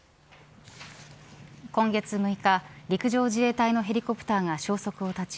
今月６日、陸上自衛隊のヘリコプターが消息を絶ち